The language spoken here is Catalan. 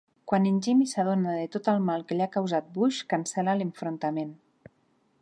Quan en Jimmy s'adona de tot el mal que li ha causat Bush, cancel·la l'enfrontament.